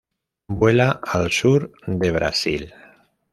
Vuela al sur de Brasil.